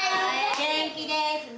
元気です。